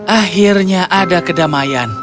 akhirnya ada kedamaian